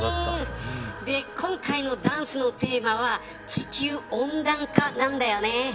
今回のダンスのテーマは地球温暖化なんだよね。